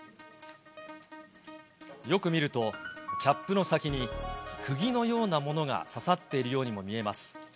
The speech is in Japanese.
よく見ると、キャップの先にクギのようなものが刺さっているようにも見えます。